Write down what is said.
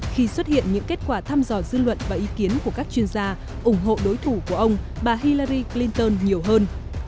khi xuất hiện những kết quả thăm dò dư luận và ý kiến của các chuyên gia ủng hộ đối thủ của ông bà hillari clinton nhiều hơn